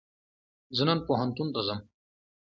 زه نن پوهنتون ته ځم